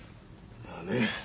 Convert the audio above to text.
まあね。